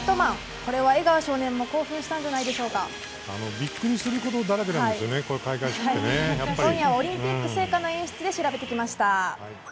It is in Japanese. これは江川少年も興奮したんじゃないでしょうか？ということで、今夜は「オリンピック聖火の演出」で調べてきました。